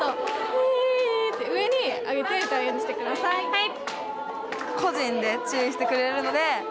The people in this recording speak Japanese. はい！